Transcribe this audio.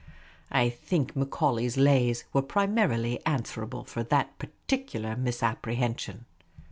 I think Macaulay's Lays were primarily answerable for that particu lar misapprehension.